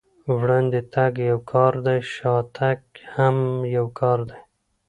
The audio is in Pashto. وړاندې تګ يو کار دی، شاته تګ هم يو کار دی.